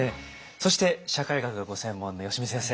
そして社会学がご専門の吉見先生。